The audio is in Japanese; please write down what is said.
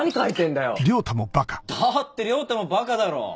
だって良太もバカだろ。